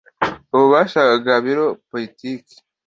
ububasha bwa biro politiki